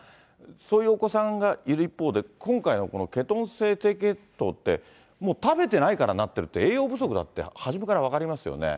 そういうお子さんがいる一方で、今回のこのケトン性低血糖って、もう食べてないからなってるって、栄養不足だって初めから分かりますよね。